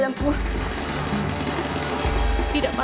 kamu jangan dengarkan kera kecil itu kakak